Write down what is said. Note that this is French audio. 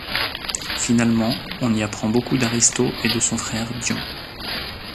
Finalement, on y apprend beaucoup d'Aristo et de son frère, Dion.